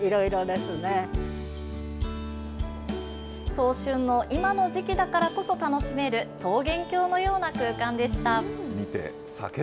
早春の今の時期だからこそ楽しめる桃源郷のような空間でした。